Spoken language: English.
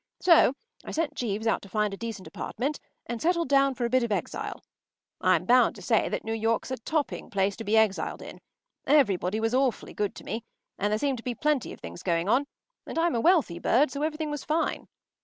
So I sent Jeeves out to find a decent apartment, and settled down for a bit of exile. I’m bound to say that New York’s a topping place to be exiled in. Everybody was awfully good to me, and there seemed to be plenty of things going on, and I’m a wealthy bird, so everything was fine.